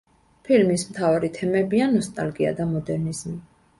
ფილმის მთავარი თემებია ნოსტალგია და მოდერნიზმი.